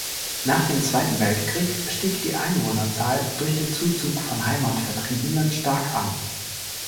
Nach dem Zweiten Weltkrieg stieg die Einwohnerzahl durch den Zuzug von Heimatvertriebenen stark an.